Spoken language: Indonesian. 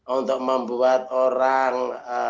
untuk membuat orang